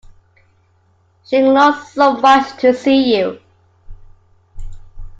She longed so much to see you.